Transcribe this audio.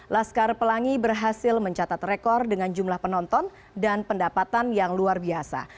laskar pelangi berhasil mencatat rekor dengan jumlah penonton dan pendapatan yang luar biasa